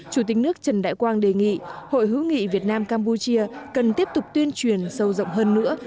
chủ tịch nước trần đại quang đề nghị hội hữu nghị việt nam campuchia cần tiếp tục tuyên truyền sâu rộng hơn nữa